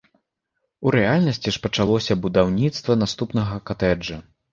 У рэальнасці ж пачалося будаўніцтва наступнага катэджа.